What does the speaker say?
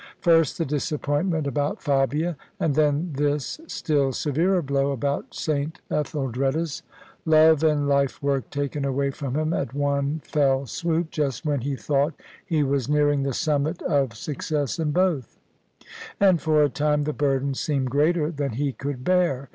First the disappointment about Fabia: and then this still severer blow about S. Ethel dreda's : love and life work taken away from him at one fell swoop, just when he thought he was nearing the summit of [ 173 ] THE SUBJECTION success in both: and for a time the burden seemed greater than he could bear.